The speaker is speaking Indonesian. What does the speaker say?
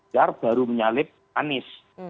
jar baru menyalib anies